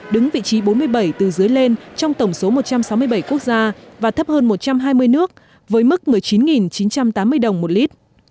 đứng vị trí bốn mươi bảy từ dưới lên trong tổng số một trăm sáu mươi bảy quốc gia và thấp hơn một trăm hai mươi nước với mức một mươi chín chín trăm tám mươi đồng một lít